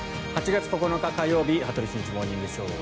８月９日、火曜日「羽鳥慎一モーニングショー」。